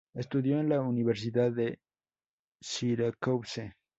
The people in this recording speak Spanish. Estudió en la Universidad de Syracuse.